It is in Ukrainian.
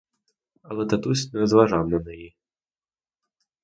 Але татусь не зважав на неї.